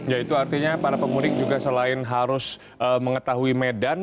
ya itu artinya para pemudik juga selain harus mengetahui medan